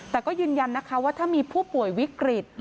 แต่ก็ยืนยันนะคะว่าถ้ามีผู้ป่วยวิกฤต